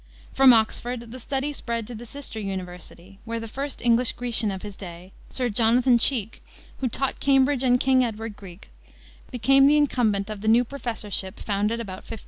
From Oxford the study spread to the sister university, where the first English Grecian of his day, Sir Jno. Cheke, who "taught Cambridge and King Edward Greek," became the incumbent of the new professorship founded about 1540.